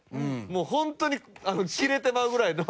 もう本当にキレてまうぐらいの。